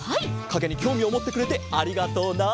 かげにきょうみをもってくれてありがとうな。